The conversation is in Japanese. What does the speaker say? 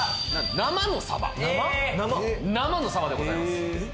生のサバでございます